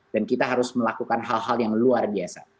dan kita harus melakukan hal hal yang luar biasa